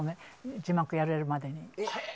字幕をやれるまで。